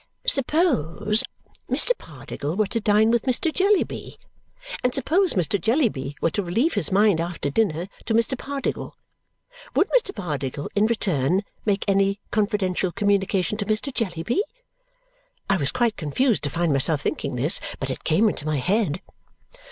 Suppose Mr. Pardiggle were to dine with Mr. Jellyby, and suppose Mr. Jellyby were to relieve his mind after dinner to Mr. Pardiggle, would Mr. Pardiggle, in return, make any confidential communication to Mr. Jellyby? I was quite confused to find myself thinking this, but it came into my head.